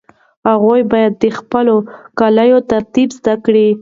هغوی باید د خپلو کاليو ترتیب زده کړي.